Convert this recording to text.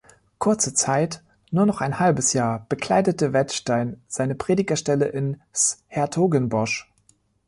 Kurze Zeit, nur noch ein halbes Jahr, bekleidete Wettstein seine Predigerstelle in ’s-Hertogenbosch.